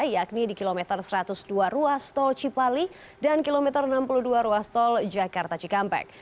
yakni di kilometer satu ratus dua ruastol cipali dan kilometer enam puluh dua ruastol jakarta cikampek